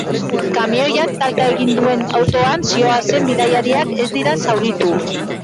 Kamioiak talka egin duen autoan zihoazen bidaiariak ez dira zauritu.